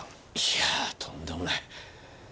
いやぁとんでもない。